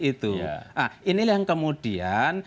itu ini yang kemudian